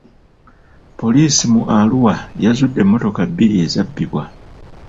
Poliisi mu Arua yazudde emmotoka bbiri ezabbibwa.